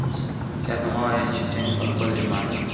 چاته مه وایه چي ټینګ په خپل ایمان یې